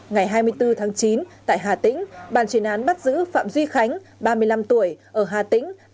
ngày hai mươi bốn tháng chín tại hà tĩnh bàn chuyển án bắt giữ phạm duy khánh ba mươi năm tuổi ở hà tĩnh